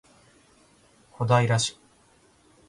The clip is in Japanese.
小平市